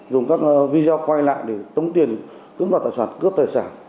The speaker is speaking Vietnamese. dùng các video quay lại để tống tiền cưỡng đoạt tài sản cướp tài sản